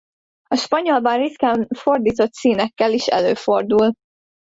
A spanyolban ritkán fordított színekkel is előfordul.